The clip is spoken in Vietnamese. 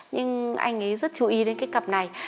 nhưng anh ấy rất chú ý đến cái cặp này